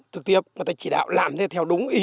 thực tiếp người ta chỉ đạo làm theo đúng ý